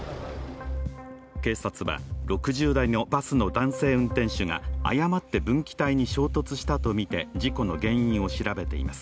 警察は６０代のバスの男性運転手が誤って分岐帯に衝突したとみて、事故の原因を調べています。